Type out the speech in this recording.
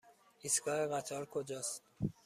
ایستگاه قطار کجاست؟